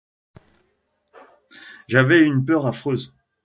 J'avais une peur affreuse.